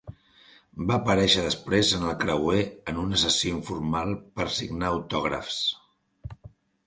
Va aparèixer després en el creuer en una sessió informal per signar autògrafs.